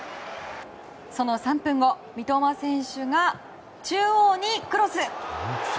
その３分後三笘選手が中央にクロス。